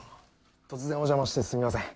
突然お邪魔してすみません